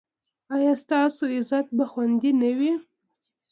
ایا ستاسو عزت به خوندي نه وي؟